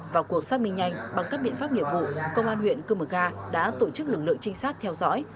vào cuộc xác minh nhanh bằng các biện pháp nghiệp vụ công an huyện cư mờ ga đã tổ chức lực lượng trinh sát theo dõi